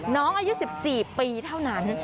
น้องอายุ๑๔ปีเท่านั้น